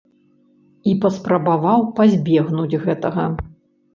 І паспрабаваў пазбегнуць гэтага.